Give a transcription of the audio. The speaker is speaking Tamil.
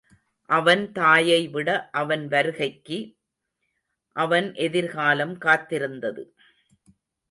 அவன் தாயை விட அவன் வருகைக்கு, அவன் எதிர்காலம் காத்திருந்தது.